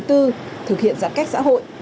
thực hiện giãn cách xã hội